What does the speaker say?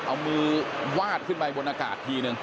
เอามือวาดขึ้นไปบนอากาศทีนึง